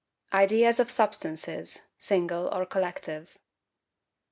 Ideas of Substances, single or collective.